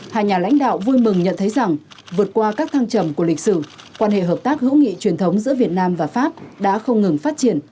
hai nhà lãnh đạo vui mừng nhận thấy rằng vượt qua các thăng trầm của lịch sử quan hệ hợp tác hữu nghị truyền thống giữa việt nam và pháp đã không ngừng phát triển